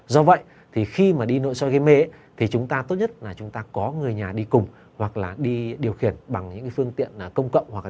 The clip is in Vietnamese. do vậy thì khi mà đi nội soi gây mê thì chúng ta tốt nhất là chúng ta có người nhà đi cùng hoặc là đi điều khiển bằng những phương tiện công cộng hoặc đi taxi